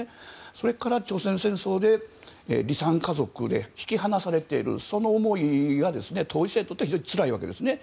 それから朝鮮戦争で離散家族で引き離されているその思いが当事者にとっては非常につらいわけですね。